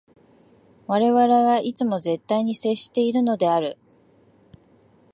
我々はいつも絶対に接しているのである。